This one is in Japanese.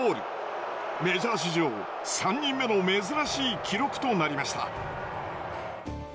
メジャー史上３人目の珍しい記録となりました。